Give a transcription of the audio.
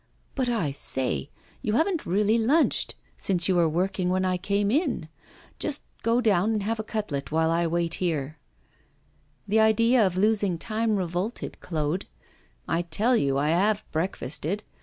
'But, I say, you haven't really lunched, since you were working when I came in. Just go down and have a cutlet while I wait here.' The idea of losing time revolted Claude. 'I tell you I have breakfasted.